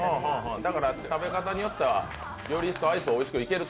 だから食べ方によっては、よりアイスはおいしくいけると。